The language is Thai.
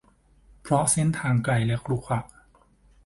เพราะเส้นทางไกลและขรุขระ